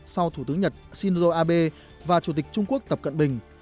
sau thủ tướng nhật shinzo abe và chủ tịch trung quốc tập cận bình